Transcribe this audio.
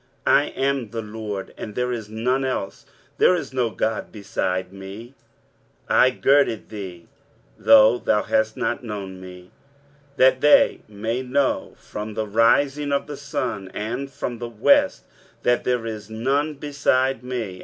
23:045:005 I am the LORD, and there is none else, there is no God beside me: I girded thee, though thou hast not known me: 23:045:006 That they may know from the rising of the sun, and from the west, that there is none beside me.